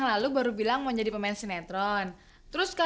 sampai jumpa di video selanjutnya